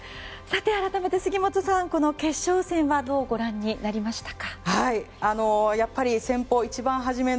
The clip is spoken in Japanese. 改めて杉本さん、この決勝戦はどうご覧になりましたか。